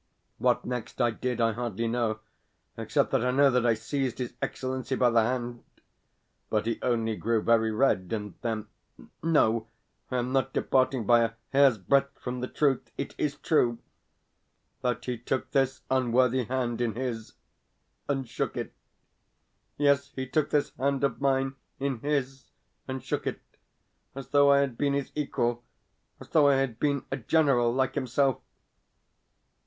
What next I did I hardly know, except that I know that I seized his Excellency by the hand. But he only grew very red, and then no, I am not departing by a hair's breadth from the truth it is true that he took this unworthy hand in his, and shook it! Yes, he took this hand of mine in his, and shook it, as though I had been his equal, as though I had been a general like himself!